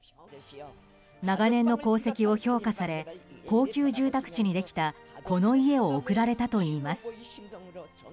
長年の功績を評価され高級住宅地にできたこの家を贈られたといいます。